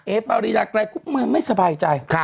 เอปารีนาใกล้กุ๊บมือไม่สบายใจ